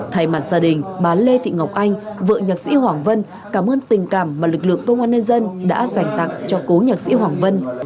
thay mặt gia đình bà lê thị ngọc anh vợ nhạc sĩ hoàng vân cảm ơn tình cảm mà lực lượng công an nhân dân đã dành tặng cho cố nhạc sĩ hoàng vân